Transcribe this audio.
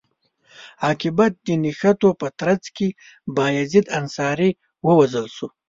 عاقبت د نښتو په ترڅ کې بایزید انصاري ووژل شو.